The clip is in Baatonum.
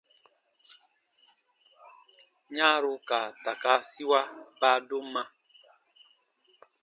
Yãaro ka takaasiwa baadomma.